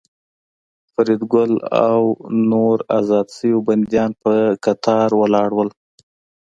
فریدګل او نور ازاد شوي بندیان په قطار ولاړ وو